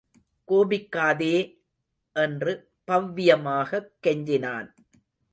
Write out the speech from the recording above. கோபிக்காதே! என்று பவ்யமாகக் கெஞ்சினான்.